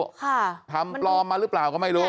ค่ะทำปลอมมาหรือเปล่าก็ไม่รู้